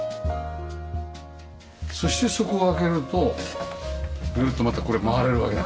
そしてそこを開けるとぐるっとまた回れるわけだ。